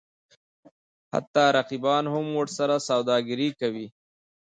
حتی رقیبان هم ورسره سوداګري کوي.